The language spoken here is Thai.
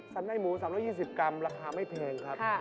ในหมู๓๒๐กรัมราคาไม่แพงครับ